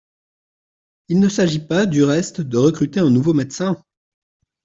Il ne s’agit pas, du reste, de recruter un nouveau médecin.